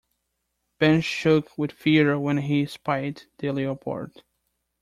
Ben shook with fear when he spied the leopard.